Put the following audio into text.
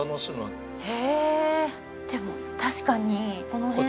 でも確かにこの辺とか。